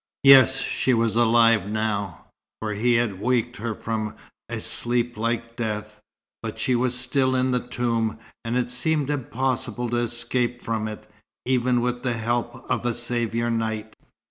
Yes, she was alive now, for he had waked her from a sleep like death; but she was still in the tomb, and it seemed impossible to escape from it, even with the help of a saviour knight.